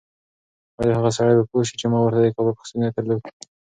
ایا هغه سړی به پوه شي چې ما ورته د کباب اخیستو نیت درلود؟